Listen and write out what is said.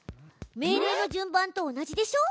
命令の順番と同じでしょ。